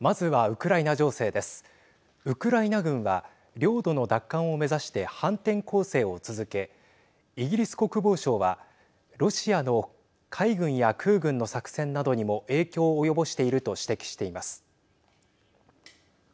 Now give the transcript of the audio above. ウクライナ軍は領土の奪還を目指して反転攻勢を続けイギリス国防省はロシアの海軍や空軍の作戦などにも影響を及ぼしていると指摘しています。